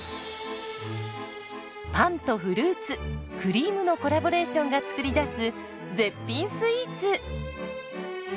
パンとフルーツクリームのコラボレーションが作り出す絶品スイーツ。